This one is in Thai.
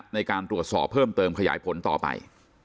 ในการตรวจสอบเพิ่มเติมขยายผลต่อไป